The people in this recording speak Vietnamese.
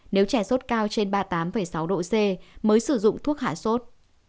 nếu trẻ sốt cao trên ba mươi tám sáu độ c mới sử dụng thuốc hạ sốt